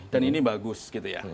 dan ini bagus gitu ya